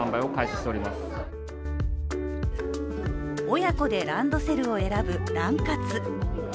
親子でランドセルを選ぶラン活。